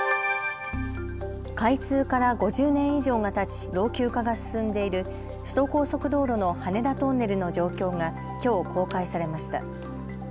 開通から５０年以上がたち老朽化が進んでいる首都高速道路の羽田トンネルの状況がきょう、公開されました。